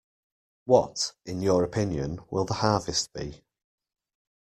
What, in your opinion, will the harvest be?